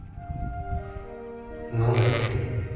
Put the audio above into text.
何だよ急に。